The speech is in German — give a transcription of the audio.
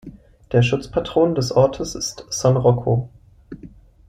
Der Schutzpatron des Ortes ist "San Rocco".